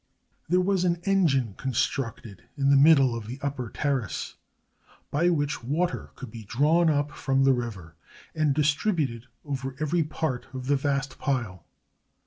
There was an engine constructed in the middle of the upper terrace, by which water could be drawn up from the river, and distributed over every part of the vast pile.